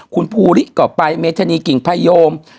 คุณภูริก็ไปเมธานีกิ่งพยม